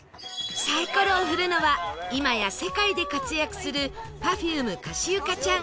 サイコロを振るのは今や世界で活躍する Ｐｅｒｆｕｍｅ かしゆかちゃん